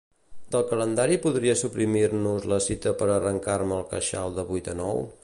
Del calendari podries suprimir-nos la cita per arrencar-me el queixal de vuit a nou?